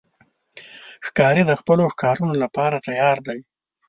ښکاري د خپلو ښکارونو لپاره تیار دی.